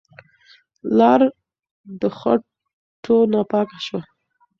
لار د خټو نه پاکه شوه.